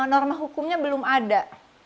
norma hukumnya belum ada